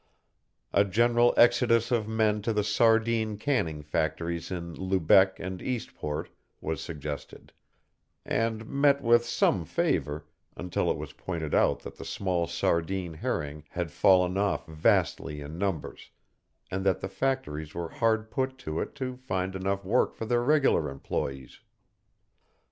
A general exodus of men to the sardine canning factories in Lubec and Eastport was suggested, and met with some favor until it was pointed out that the small sardine herring had fallen off vastly in numbers, and that the factories were hard put to it to find enough work for their regular employees.